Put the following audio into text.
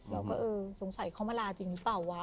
เออสงสัยเขามาลาจริงหรือเปล่าวะ